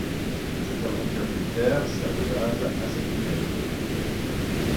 Cette aventure militaire sert de base à cette nouvelle.